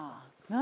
何？